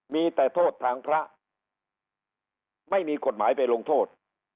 มีแต่โทษทางพระไม่มีกฎหมายไปลงโทษ